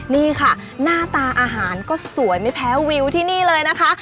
นี่ค่ะหน้าตาอาหารก็สวยไม่แพ้วิวที่นี่เลยนะคะ